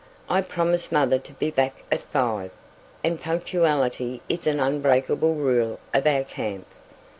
I promised mother to be back at five, and punctuality is an unbreakable rule of our camp.